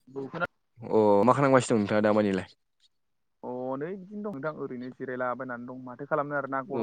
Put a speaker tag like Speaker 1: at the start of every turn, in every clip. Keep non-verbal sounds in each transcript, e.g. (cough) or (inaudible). Speaker 1: (unintelligible)
Speaker 2: अ मा खालामगासिनो दं नोंथाङा दामानिलाय?
Speaker 1: अनेक बिदिनो दं नोंथां ओरैनो जिरायलाबायनानै दं माथो खालामनो आरो।
Speaker 2: ओ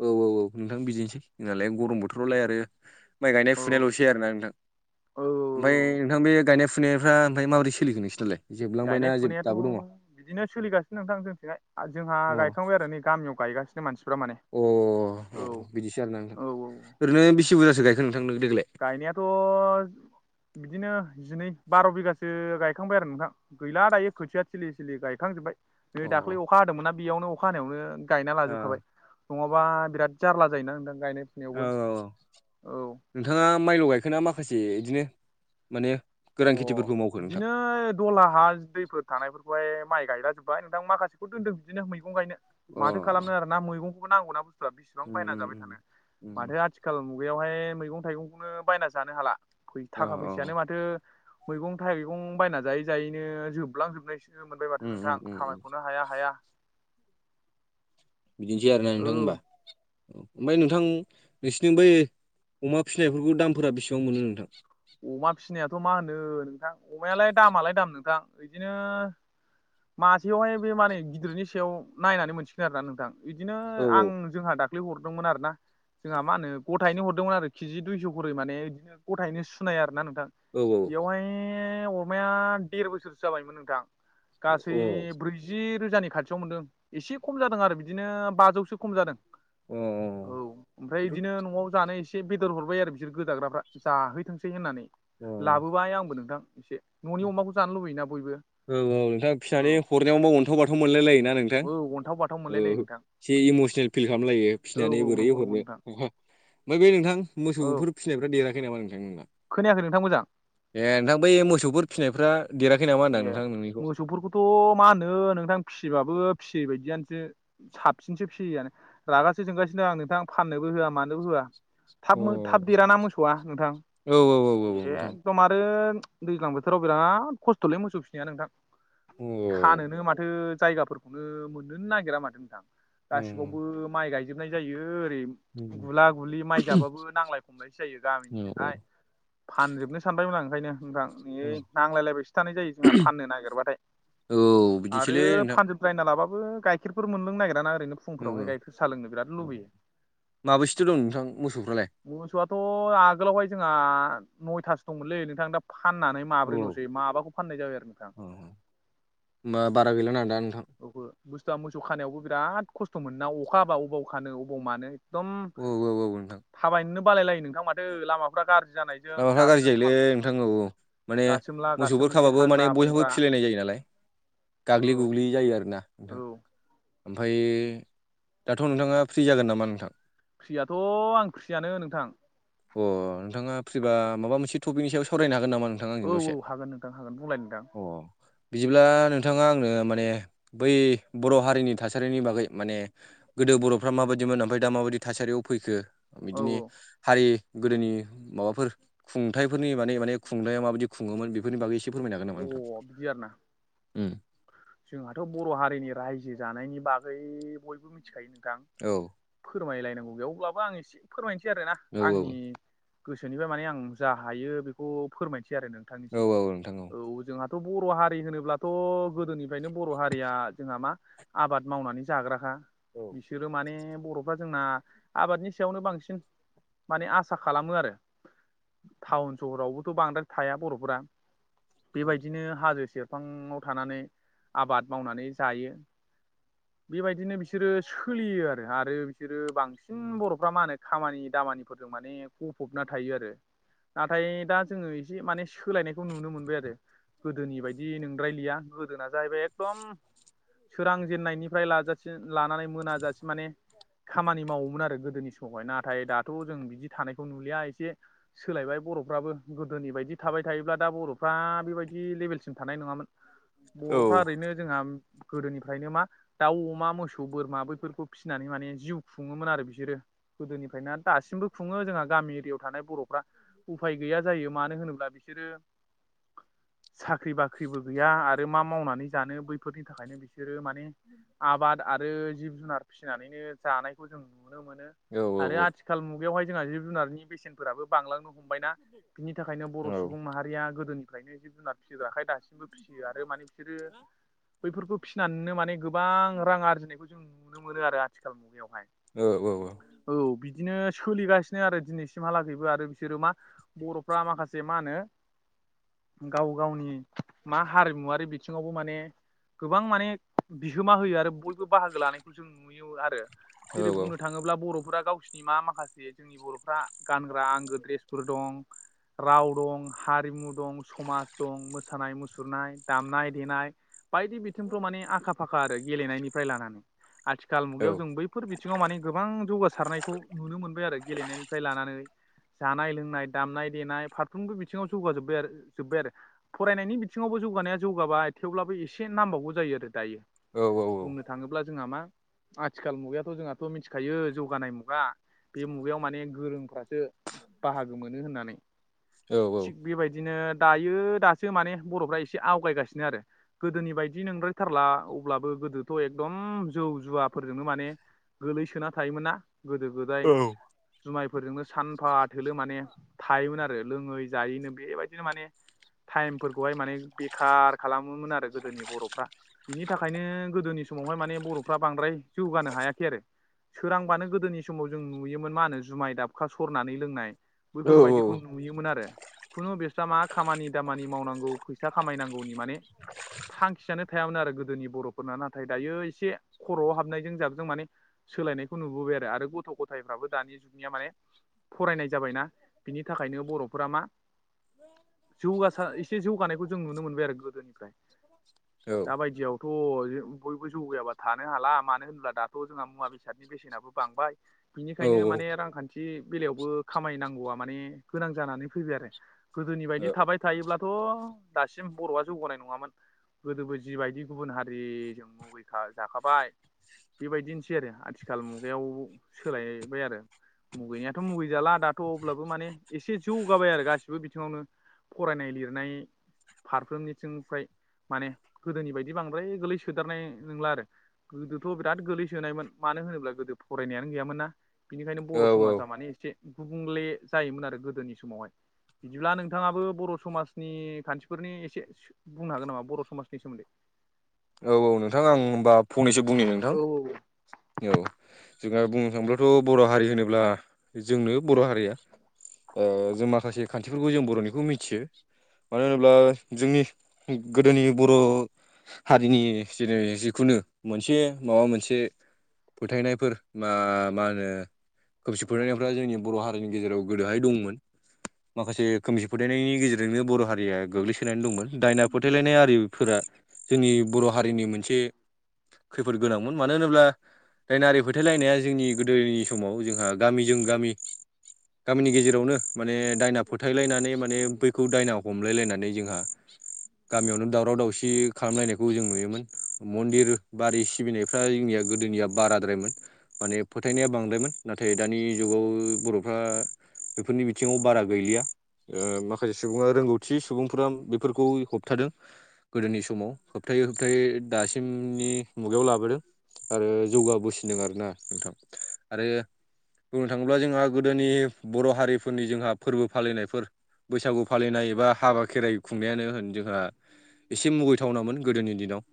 Speaker 2: औ औ औ नोंथां बिदिनोसै जोंनालाय ग'रम बोथोरावलाय आरो। माइ
Speaker 1: औ
Speaker 2: गायनाय-फुनायल'सै आरोना नोंथां
Speaker 1: औ
Speaker 2: ओमफाय नोंथां बे गायनाय फुनायफ्रा ओमफाय माबोरै सोलिगोन नोंसिनालाय? जोबलांबायना जोब
Speaker 1: गायनाय-फुनायाथ'
Speaker 2: दाबो दङ अ
Speaker 1: बिदिनो सोलिगासिनो नोंथां जोंथिजाय जोंहा गायखांबाय आरो नै गामियाव गायगासिनो मानसिफ्रा माने।
Speaker 2: अ
Speaker 1: औ
Speaker 2: अ बिदिसो आरोना नोंथां
Speaker 1: औ औ
Speaker 2: ओरैनो बेसे बुरजासो गायखो नोंथांनों देग्लाय?
Speaker 1: गायनायाथ' बिदिनो जिनै बार' बिगासो गायखांबाय आरो नोंथां। गैला दायो खोथिया थिलि सिलि गायखांजोब्बाय। नै
Speaker 2: अ
Speaker 1: दाख्लै अखा हादोंमोनना बेयावनो अखा हानायावनो गायना लाजोबखाबाय। नङाबा बिराद जारला जायोना नोंथां गायनाय
Speaker 2: औ
Speaker 1: फुनायावबो
Speaker 2: औ औ
Speaker 1: औ
Speaker 2: नोंथाङा माइल' गायखोना माखासे इदिनो माने
Speaker 1: अ
Speaker 2: गोरान खेथिफोरखौ मावखो नोंथां
Speaker 1: बिदिनो दलहा हा दैफोर थानायफोरखौहाय माइ गायला जोब्बाय नोंथां माखासेखौ दोनदों बिदिनो मैगं गायनो।
Speaker 2: अ
Speaker 1: माथो खालामनो आरो ना मैगंखौबो नांगौ ना (unintelligible) बेसेबां
Speaker 2: उम
Speaker 1: बायना
Speaker 2: उम
Speaker 1: जाबाय
Speaker 2: उम
Speaker 1: थानो
Speaker 2: उम
Speaker 1: माथो आथि खाल मुगायावहाय मैगं-थाइगंखौनो बायना जानो हाला
Speaker 2: अ
Speaker 1: थाखा
Speaker 2: अ
Speaker 1: फैसायानो माथो मैगं-थाइगं बायना जायै जायैनो जोबलांजोब (unintelligible) (unintelligible)
Speaker 2: उम उम
Speaker 1: नोंथां
Speaker 2: उम उम
Speaker 1: खामायख'नो हाया हाया।
Speaker 2: बिदिनोसै आरोना
Speaker 1: औ
Speaker 2: नोंथां होमबा। औ ओमफ्राय नोंथां नोंसिोरनि बै अमा फिसिनायफोरखौ दामफोरा बेसेबां मोनो नोंथां?
Speaker 1: अमा फिनायाथ‌ मा होनो नोंथां अमायालाय दामालाय दाम नोंथां। बिदिनो मासेयावहाय बे माने गिदिरनि सायाव नायनानै मोनसिगोन आरोना नोंथां। बिदिनो
Speaker 2: अ
Speaker 1: आं जोंहा दाख्लै हरदोंमोन आरो ना। जोंहा मा होनो गथायनो हरदोंमोन आरो किजि दुइस खरै माने बिदिनो गथायैनो सु सुनाया आरोना नोंथां
Speaker 2: बेथ'
Speaker 1: बेवहाय अमाया देर बोसोरसो जाबायमोन नोंथां।
Speaker 2: अ
Speaker 1: गासै
Speaker 2: औ
Speaker 1: ब्रै जि रोजानि खाथियाव मोनदों एसे खम जादों आरो बिदिनो बाजौसो खम जादों। औ ओमफ्राय बिदिनो नआव जानो एसे बेदर हरबाय आरो बिसोर गोदाग्राफ्रा जाहै थोंसै होननानै लाबोबाय आंबो नोंथां एसे ननि अमाखौ जानो लुबैयोना बयबो।
Speaker 2: औ औ नोंथाङा
Speaker 1: औ
Speaker 2: फिसानि हरनायावबा अनथाव बाथ मोनलाय लायो ना नों नोंथां
Speaker 1: औ अन्थाव बाथाव मोनलाय लायो
Speaker 2: औ
Speaker 1: नोंथां
Speaker 2: एसे इमसनेल फिल खालामलायो
Speaker 1: औ
Speaker 2: फिसिनानै
Speaker 1: औ
Speaker 2: बोरै
Speaker 1: नंगौ नंगौ
Speaker 2: हरनो
Speaker 1: नोंथां
Speaker 2: ओमफ्राय बे नोंथां
Speaker 1: औ
Speaker 2: मोसौफोर फिसिनायफ्रा देराखै नामा नोंथां नोंना?
Speaker 1: खोनायाखै नोंथां मोजां
Speaker 2: ए नोंथां बै मोसौफोर फिनायफ्रा देराखै नामा
Speaker 1: ए
Speaker 2: होनदां? नोंथां नोंनिखौ
Speaker 1: मोसौफोरखौथ मा होननो नोंथां फिसिबाबो फिसियै बायदियानोसो। साबसिनसो फियियानो रागाासो जोंगासिनो दं आं नोंथां फाननोबो होआ मानोबो होआ।
Speaker 2: अ
Speaker 1: थाब थाब देराना मोसौआ नोंथां
Speaker 2: औ औ औ
Speaker 1: ए
Speaker 2: नोंथां
Speaker 1: एकदम आरो दैज्लां बोथोराव बिराद खस्थ'लै मोसौ फिनाया नोंथां।
Speaker 2: अ औ
Speaker 1: खानोनो माथो जायगाफोरखौनो मोन नोनो नागिरा माथो नोंथां गासिबावबो माइ गायजोबनाय जायो ओरै गुला गुलि माइ जाबाबो नांलाय खमलायसो जायो
Speaker 2: औ
Speaker 1: गामिनिजोंहाय। फानजोबनो सानबायमोन आ ओंखायनो नोंथां
Speaker 2: औ
Speaker 1: ए नांलायलायबायसो थानाय जायो जोंहा फाननो नागिरबाथाय
Speaker 2: औ बिदिसोलै
Speaker 1: आरो
Speaker 2: नोंथां
Speaker 1: द्रायना लाबाबबो गाइखेरफोर मोनलों नागिरा ओरैनो फुंफ्रावहाय
Speaker 2: औ
Speaker 1: गाइखेर सा लोंनो बिराद
Speaker 2: औ
Speaker 1: लुबैयो।
Speaker 2: माबैसेथो दं नोंथां मोसौफ्रालाय?
Speaker 1: मोसौआथ आगोलावहाय जोंहा नयथासो दंमोनलै नोंथां दा फाननानै माब्रै लसै माबाखौ फाननाय जाबाय आरो नोंथां
Speaker 2: अ होमबा बारा गैला दा नोंथां
Speaker 1: अ बुस्थुवा मोसौ खानायावबो बिराद खस्थ मोन ना अखा हाबा अबाव खानो अबाव मानो। एकदम
Speaker 2: औ औ औ नोंथां
Speaker 1: थाबायनोननो बालायलायो नोंथां माथो लामाफ गाज्रि जानाय
Speaker 2: लामाफ्रा गाज्रि जायोलै नोंथां औ माने
Speaker 1: गासोमला
Speaker 2: मोसौ
Speaker 1: गासोमलि
Speaker 2: खाबाबो माने
Speaker 1: हाग्रा
Speaker 2: बयहाबो
Speaker 1: बंग्रा
Speaker 2: फिलायनाय जायो नालाय गाग्लि
Speaker 1: औ
Speaker 2: गुग्लि जायो आर ना नोंथां।
Speaker 1: औ
Speaker 2: ओमफ्राय दाथ नोंथाङा फ्रि जागोन नामा नोंथां?
Speaker 1: फ्रियाथ आं फ्रियानो नोंथां।
Speaker 2: अ नोंथाङा फ्रिबा माबा मोनसे टपिकनि सायाव सावरायनो हागोन नामा नों नोंथाङा
Speaker 1: औ
Speaker 2: आंजों
Speaker 1: औ
Speaker 2: दसे
Speaker 1: हागोन नोंथां हागोन बुंलाय नोंथां
Speaker 2: अ बिदिब्ला नोंथाङा आंनो माने बै बर हारिनि थासारिनि बागै माने गोदो बरफ्रा माबायदिमोन ओमफ्राय दा माबायदि थासारियाव फैखो
Speaker 1: औ
Speaker 2: बिदिनो हारि गोदोनि माबाफोर खुंथाइफोरनि माने माने खुंथाया माबायदि खुङोमोन बेफोरनि बागै एसे फोरमायनो हागोन नामा
Speaker 1: औ
Speaker 2: नोंथां?
Speaker 1: अ बिदि आरोना जोंहाथ बर हारिनि रायजो जानायनि बागै बयबो मिथिखायो नोंथां।
Speaker 2: औ।
Speaker 1: फोरमायलायनांगौ ग बेयाव अब्लाबो आं एसे फोरमायनोसै आरोना
Speaker 2: औ
Speaker 1: आंनि गोसोनिफ्राय माने आं जा हायो बेखौ फोरमायसै आरो
Speaker 2: औ
Speaker 1: नोंथांनिसिम।
Speaker 2: औ नोंथां औ
Speaker 1: औ जोंहाथ' बर' हारि होनोब्लाथ' गोदोनिफ्रायनो बर' हारिया जोंहा मा? आबाद मावनानै जाग्राखा बिसो बिसोरो माने बर फ्रा जोंना आबादनि सायावनो बांसिन माने आसा खालामो आरो टाउन सहरावबोथ बांद्राय थाया बर फोरा बेबायदिनो हाजो सेरफाङाव थानानै आबाद मावनानै जायो बेबायदिनो बिसोरो सोलियो आरो आरो बिसोरो बांसिन बर'फ्रा मा होनो खामानि दामानिफोरजों माने गफबना थायो आरो नाथाय दा जोंओ एसे माने सोलायनायखौ नुनो मोनबाय आरो गोदोनि बायदि नोंद्रायलिया गोदोना जाहैबाय एकदम सोरां जेननायनिफ्राय लाजासि लानानै मोनाजासे माने खामानि मावोमोन आरो गोदोनि समावहाय नाथाय दाथ' जों बिदि थानायखौ नुलिया एसे सोलायबाय बर'फ्राबो गोदोनि बायदि थाबाय थायोब्ला दा बर' दा बेबायदि लेभेलसिम थानाय नङामोन
Speaker 2: औ
Speaker 1: बर'फ्रा ओरैनो जोंहा गोदोनिफ्रायनो मा दाउ अमा मोसौ बोरमा बैफोरखौ फिनानै माने जिउ खुङोमोन आरो बिसोरो गोदोनिफ्रायनो दासिमबो खुङो जोंहा गामि एरियायाव थानाय बर'फ्रा उफाय गैया जायो मानो होनोब्ला बिसोरो साख्रि बाख्रिबो गैया आरो मा मावनानै जानो बैफोरनि थाखाय बिसोरो माने आबाद आरो जिब जुनार फिसिनानैनो जानायखौ जों नुनो मोन मोनो
Speaker 2: औ
Speaker 1: आरो
Speaker 2: औ
Speaker 1: आथिखाल मुगायावहाय जोंहा जिब जुनारनि बेसेनफोराबो बांलांनो हमबायना बिनि थाखायनो बर'
Speaker 2: औ
Speaker 1: सुबुं माहारिया गोदोनिफ्रायनो जिब जुनार फिसिग्राखाय दासिमबो फिसियो आरो माने बिसोरो बैफोरखौ फिसिनानैनो माने गोबां रां आरजिनायखौ जों नुनो मोनो आरो आथिखाल मुगायावहाय
Speaker 2: औ औ औ
Speaker 1: औ बिदिनो सोलिगासिनो आरो दिनैसिमहालागैबो आरो बिसोरो मा बर'फ्रा माखासे मा होनो गाव गावनि मा हारिमुवारि बिथिङावबो माने गोबां माने बिहोमा होयो आरो बयबो बाहागो लानायखौ जों नुयो आरो जेरै बुंनो थांङो अब्ला बर'फोरा गावसिोरनि मा माखासे जोंनि बर'फ्रा गानग्रा आंगो द्रेसफोर दं राव ढं हारिमु दं समाज दं मोसानाय मुसुरनाय दामनाय देनाय बायदि बिथिंफ्राव माने आखा फाखा आरो गेलेनायनिफ्राय लानानै आथिखाल
Speaker 2: औ
Speaker 1: मुगायाव जों बै बेफोर बिथिङाव माने गोबां जौगासारनायखौ नुनो मोनबाय आरो गेलेनायनिफ्राय लानानै जानाय लोंनाय दामनाय देनाय फारफ्रोमबो बिथिङाव जौगाजोब्बाय आरो जोबबाय आरो फरायनायनि बिथिङावबो जौगानाया जौगाबाय थेवब्लाबो एसे नांबावगौ जायो आरो दायो
Speaker 2: औ औ औ
Speaker 1: बुंनो थाङोब्ला जोंहा मा आथिखाल मुगायाथ' जोंहाथ' मिथिखायो जौगानाय मुगा बे मुगायाव माने गोरोंफ्रासो बाहागो मोनो होननानै
Speaker 2: औ औ
Speaker 1: थिग बेबायदिनो दायो दासो माने बर'फ्रा एसे आवगायगासिनो आरो गोदोनि बायदि नोंद्रायथारला अब्लाबो गोदोथ' एकदम जौ जुवाफोरजोंनो माने गोलैसोना थायोमोन ना गोदो गोदाय जुमायफोरजोंनो सानफा थोलो माने थायोमोन आरो लोङै जायोनो बेबायदिनो माने टाइमफोरखौहाय माने बेखार खालामोमोन आरो गोदोनि बर'फ्रा बिनि थाखायनो गोदोनि समावहाय माने बर'फ्रा बांद्राय जौगानो हायाखै आरो सोरांबानो गोदोनि समाव जों नुयो मोन मा होनो जुमाय दाबखा सरनानै लोंनाय बैफोरबायदिखौ नुयोमोन आरो खुनु बिफ्रा मा खामानि दामानि मावनांगौ फैसा खामायनांगौनि माने थांखियानो थायामोन आरो गोदोनि बर'फोरना नाथाय दायो एसे खर'आव हाबनायजों जाबजों माने सोलायनायखौ नुबोबाय आरो आरो गथ' गथायफ्राबो दानि जुगनिया माने फरायनाय जाबायना बिनि थाखायनो बर'फोरा मा जौगार एसे जौगानायखौ जों नुनो मोनबाय आरो गोदोनिफ्राय दााबायदियाव थ' बयबो जौगायाबा थानो हाला मानो होनब्ला दाथ' जोंहा मुवा बेसादनि बेसेनाबो बांबाय बिनिखायनो माने रांखान्थि बेलायावबो खामायनांगौआ माने गोनां जानानै फैबाय आरो गोदोनि बायदि थाबाय थायोब्लाथ' दासिम बर'आ जौगानाय नङामोन गोदोबो जिबायदि गुबुन हारिजों मुगैखा जाखाबाय बेबायदिनोसै आरो आथिखाल मुगायाव सोलायबाय आरो। मुगैनायाथ' मुगै जाला दाथ' अब्लाबो माने एसे जौगाबाय आरो गासिबो बेबो बिथिङावनो फरायनाय लिरनाय फारफ्रोमनिथिं फ्र माने गोदोनि बायदि बांद्राय गोलै सोदारनाय नंला आरो। गोदोथ' बिराद गोलैसोनायमोन मानो होनोब्ला गोदो फरायनायानो गैयामोन ना। बिनिखायनो बर' समाजा माने एसे गुबुंले जायोमोन आरो गोदोनि समावहाय बिदिब्ला नोंथाङाबो बर' समाजनि खान्थिफोरनि एसे बुंनो हागोन नामा बर' समाजनि सोमोन्दै
Speaker 2: औ औ नोंथां आं होनबा फंनैसो बुंनि नोंथां। औ जोंहा बुंनो थाङोब्लाथ' बर' हारि होनोब्ला जोंनो बर' हारिया ओ जों माखासे खान्थिफोरखौ जों बर'निखौ मिथियो मानो होनोब्ला जोंनि गोदोनि बर' हारिनि जेनै जिखुनु मोनसे माबा मोनसे फोथायनायफोर मा मा होनो खोमसि फोथायनायफ्रा जोंनि बर' हारिनि गेजेराव गोदोहाय दंमोन माखासे खोमसि फोथायनायनि गेजेरजोंनो बर' हारिया गोग्लैसोनायानै दंमोन दायना फोथायलायनाय आरिफोरा जोंनि बर' हारिनि मोनसे खैफोद गोनांमोन मानो होनोब्ला दायनारि फोथायलायनाया जोंनि गोदोनि समाव जोंहा गामिजों गामि गामिनि गेजेरावनो माने दायना फोथायलायनानै माने बैखौ दायना हमलायलायनानै जोंहा गामियावनो दावराव दावसि खालामलायनायखौ जों नुयोमोन मन्दिर बारि सिबिनायफ्रा जोंनिया गोदोनिया बाराद्रायमोन माने फोथायनाया बांद्रायमोन नाथाय दानि जुगाव बर'फ्रा बेफोरनि बिथिङाव बारा गैलिया ओ माखासे सुबुङा रोंगौथि सुबुंफोरा बेफोरखौ होबथादों गोदोनि सम समाव होबथायै होबथायै दासिमनि मुगायाव लाबोदों। आरो जौगाबोसिदों आरोना नोंथां आरो। बुंनो थाङोब्ला जोंहा गोदोनि बर' हारिफोरनि जोंहा फोरबो फालिनायफोर बैसागु फालिनाय एबा हाबा खेराइ खुंनायानो होन जोंहा एसे मुगै थावनामोन गोदोनि दिनाव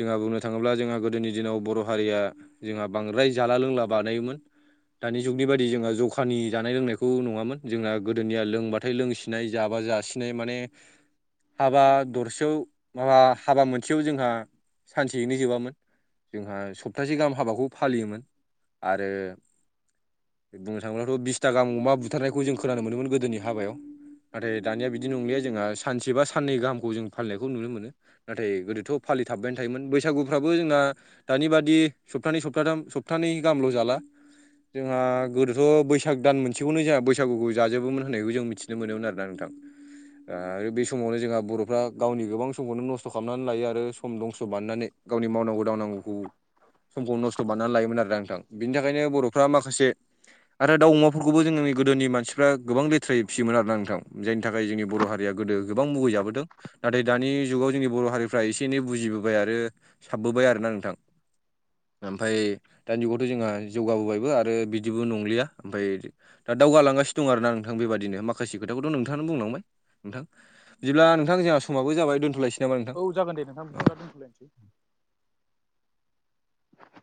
Speaker 2: जोंहा बुंनो थाङोब्ला जोंहा गोदोनि दिनाव बर' हारिया जोंहा बांद्राय जाला लोंला बानायोमोन दानि जुगनि बायदि जोंहा जखानि जानाय लोंनायखौ नङामोन जोंना गोदोनिया लोंबाथाय लोंसि नाय जाबा जासिनाय माने हाबा दरसे माबा हाबा मोनसेयाव जोंहा सानसेयैनो जोबामोन जोंहा सप्तासे गाहाम हाबाखौ फालियोमोन आरो बुंनो थांब्लाथ' बिसथा गाहाममा अमा बुथारनायखौ जों खोनानो मोनोमोन गोदोनि हाबायाव नाथाय दानिया बिदि नंलिया जोंहा सानसे बा साननै गाहामखौ जों फालिनायखौ नुनो मोनो नाथाय गोदोथ' फालिथाबबायानो थायोमोन बैसागुफ्राबो जोंना दानि बादि सप्तानै साथाम सप्तानै गाहामल' जाला जोंहा गोदोथ' बैसाग दान मोनसेखौनो जोंहा बैसागुखौ जाजोबोमोन होननायखौ जों मिथिनो मोनोमोन आरोना नोंथां ओ आरो बे समावनो जोंहा बर'फ्रा गावनि गोबां समखौनो नस्थ' खालामनानै लायो आरो सम दंस' बानायनानै गावनि मावनांगौ दावनांगौखौ समखौ नस्थ' बानायनानै लायोमोन आरो नोंथां बेनि थाखायनो बर'फ्रा माखासे आरो दाउ अमाफोरखौबो जों गोदोनि मानसिफ्रा गोबां लेथ्रायै फियोमोन आरोना नोंथां जायनि थाखाय जोंनि बर' हारिया गोदो गोबां मुगैजाबोदों। नाथाय दानि जुगाव जोंनि बर' हारिफ्रा एसे एनै बुजिबोबाय आरो साबबोबाय आरोोना नोंथां। ओमफ्राय दानि जुगावथ' जोंहा जौगाबोबायबो आरो बिदिबो नंलिया ओमफ्राय दा दावगालांगासिनो दं आर ना नोंथां बेबादिनो माखासे खोथाखौथ' नोंथांनो बुंलांबाय नोंथां। बिदिब्ला नोंथां जोंहा समाबो जाबाय दोनथ'लायसै। नामा नोंथां
Speaker 1: औ जागोन दे
Speaker 2: औ
Speaker 1: नोंथां (inaudible) (inaudible)